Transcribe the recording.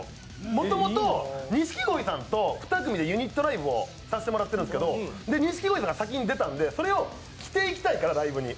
もともと、錦鯉さんと２組でユニットライブをさせてもらってるんですけど錦鯉さんが先に出たんでそれを着ていきたいから、ライブに。